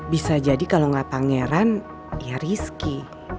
bisa jadi kalau gak pangeran ya riski